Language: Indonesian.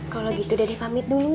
kalo gitu udah dipamit dulu ya